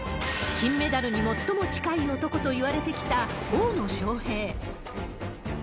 金メダルに最も近い男といわれてきた、大野将平。